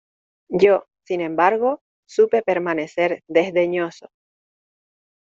yo, sin embargo , supe permanecer desdeñoso.